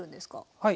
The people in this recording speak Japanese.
はい。